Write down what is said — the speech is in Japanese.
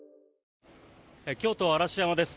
京都・嵐山です。